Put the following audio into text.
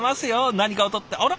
何かを取ってあら？